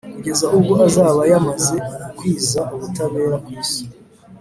kugeza ubwo azaba yamaze gukwiza ubutabera ku isi,